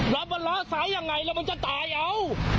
รับวันล้อสายยังไงล่ะมันจะตายเอา